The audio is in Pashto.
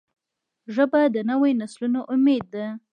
ژبه د نوي نسلونو امید ده